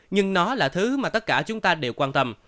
nhưng nó là thứ mà tất cả chúng ta đều quan tâm